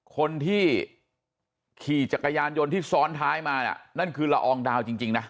คนที่ขี่จักรยานยนต์ที่ซ้อนท้ายมาน่ะนั่นคือละอองดาวจริงนะ